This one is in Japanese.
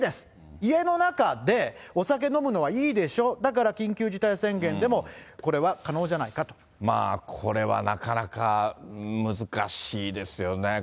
家の中でお酒飲むのはいいでしょ、だから、緊急事態宣言でも、これこれはなかなか難しいですよね。